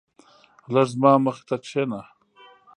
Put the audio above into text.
لږ زما مخی ته کينه